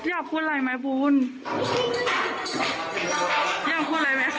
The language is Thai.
อยากพูดอะไรไหมบูลอยากพูดอะไรไหม